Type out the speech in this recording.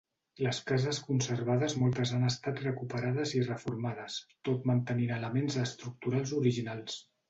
Les cases conservades moltes han estat recuperades i reformades, tot mantenint elements estructurals originals.